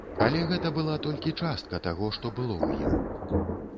Але гэта была толькі частка таго, што было ў ім.